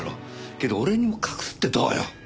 けど俺にも隠すってどうよ？